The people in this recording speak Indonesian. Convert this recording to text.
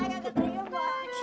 gak mau lah